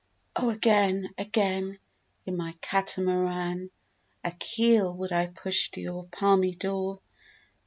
O again, again, In my katamaran A keel would I push To your palmy door!